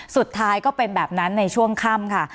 สุดท้ายก็เป็นแบบนั้นในช่วงค่ำค่ะ